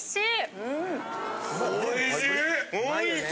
おいしい！